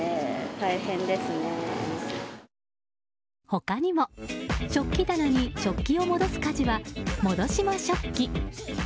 他にも食器棚に食器を戻す家事は戻しましょっき。